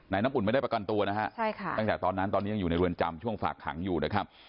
น้ำอุ่นไม่ได้ประกันตัวนะฮะใช่ค่ะตั้งแต่ตอนนั้นตอนนี้ยังอยู่ในเรือนจำช่วงฝากขังอยู่นะครับ